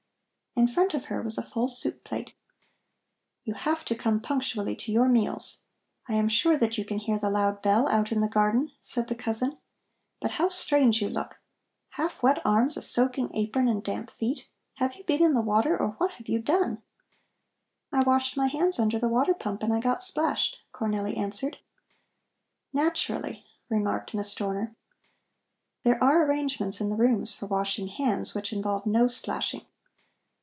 In front of her was a full soup plate. "You have to come punctually to your meals. I am sure that you can hear the loud bell out in the garden," said the cousin. "But how strange you look! Half wet arms, a soaking apron and damp feet. Have you been in the water, or what have you done?" "I washed my hands under the water pump and I got splashed," Cornelli answered. "Naturally," remarked Miss Dorner. "There are arrangements in the rooms for washing hands, which involve no splashing.